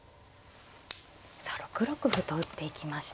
さあ６六歩と打っていきました。